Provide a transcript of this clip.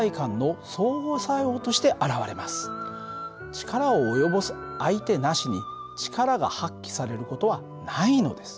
力を及ぼす相手なしに力が発揮される事はないのです。